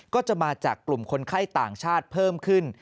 ก็จะมาจากกลุ่มคนไข้ต่างชาติเพิ่มขึ้น